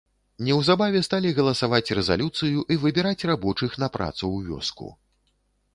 Неўзабаве сталі галасаваць рэзалюцыю і выбіраць рабочых на працу ў вёску.